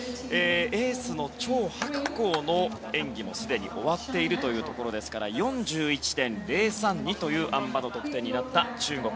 エースのチョウ・ハクコウの演技も、すでに終わっているというところで４１．０３２というあん馬の得点になった中国。